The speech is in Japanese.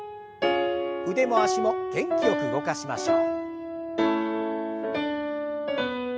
腕も脚も元気よく動かしましょう。